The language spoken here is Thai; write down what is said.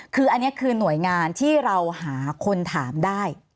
คืออันนี้คือหน่วยงานที่เราหาคนถามได้